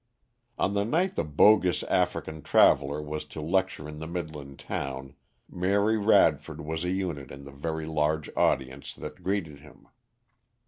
On the night the bogus African traveller was to lecture in the Midland town, Mary Radford was a unit in the very large audience that greeted him.